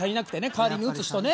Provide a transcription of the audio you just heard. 代わりに打つ人ね。